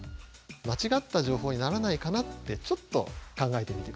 「間違った情報にならないかな？」ってちょっと考えてみてください。